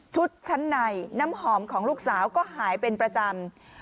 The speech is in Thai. ชั้นในน้ำหอมของลูกสาวก็หายเป็นประจำ